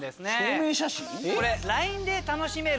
これＬＩＮＥで楽しめる。